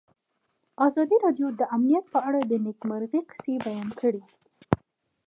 ازادي راډیو د امنیت په اړه د نېکمرغۍ کیسې بیان کړې.